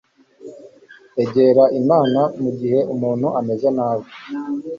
egera imana mu gihe umuntu ameze nabi